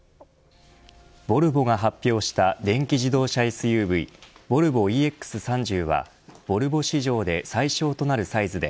ボルボが発表した電気自動車ＳＵＶボルボＥＸ３０はボルボ史上で最小となるサイズで